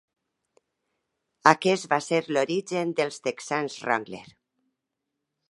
Aquest va ser l'origen dels texans Wrangler.